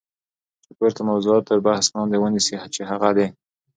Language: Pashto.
چی پورته موضوعات تر بحث لاندی ونیسی چی هغه د